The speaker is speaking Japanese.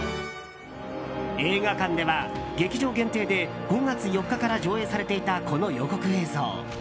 映画館では劇場限定で５月４日から上映されていたこの予告映像。